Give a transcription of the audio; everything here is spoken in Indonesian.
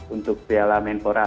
untuk piala menpora